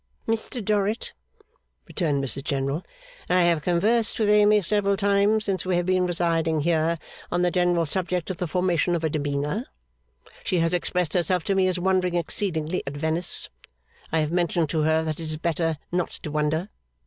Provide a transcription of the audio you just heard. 'Mr Dorrit,' returned Mrs General, 'I have conversed with Amy several times since we have been residing here, on the general subject of the formation of a demeanour. She has expressed herself to me as wondering exceedingly at Venice. I have mentioned to her that it is better not to wonder.